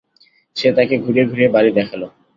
সে তাকে ঘুরিয়ে ঘুরিয়ে বাড়ি দেখাল।